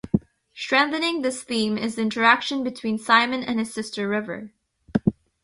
Strengthening this theme is the interaction between Simon and his sister River.